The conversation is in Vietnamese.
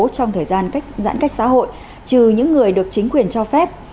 trong thời gian cách giãn cách xã hội trừ những người được chính quyền cho phép